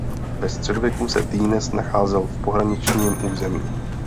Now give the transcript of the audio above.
Ve středověku se Týnec nacházel v pohraničním území.